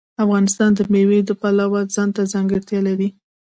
افغانستان د مېوې د پلوه ځانته ځانګړتیا لري.